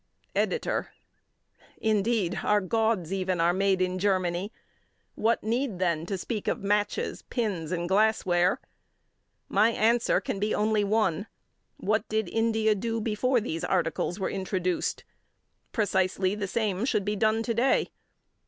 EDITOR: Indeed, our gods even are made in Germany. What need, then, to speak of matches, pins, and glassware? My answer can be only one. What did India do before these articles were introduced? Precisely the same should be done to day.